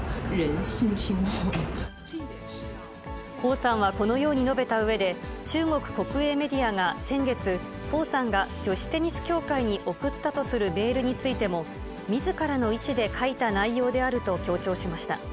彭さんはこのように述べたうえで、中国国営メディアが先月、彭さんが女子テニス協会に送ったとするメールについても、みずからの意思で書いた内容であると強調しました。